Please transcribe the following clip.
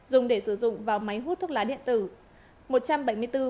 dùng để sử dụng vào máy hút thuốc lá điện tử